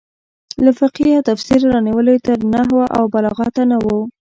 له فقهې او تفسیره رانیولې تر نحو او بلاغته نه وو.